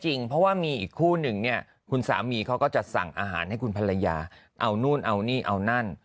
เพราะว่ามีอีกคู่หนึ่งเนี่ยคุณสามีเขาก็จะสั่งอาหารให้คุณภรรยาเอานู่นเอานี่เอานั่น